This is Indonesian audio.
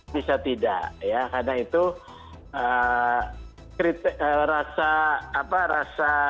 bisa tidak ya karena itu rasa apa rasa